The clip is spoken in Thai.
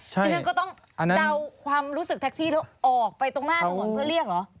ที่ฉันก็ต้องเดาความรู้สึกแท็กซี่แล้วออกไปตรงหน้าถนนเพื่อเรียกเหรอ